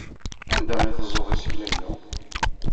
Anda ay tteẓẓuɣ isekla-inu?